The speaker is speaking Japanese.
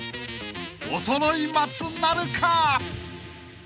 ［おそろい松なるか？］